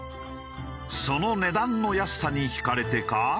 その値段の安さに惹かれてか。